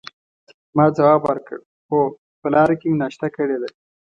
ما ځواب ورکړ: هو، په لاره کې مې ناشته کړې ده.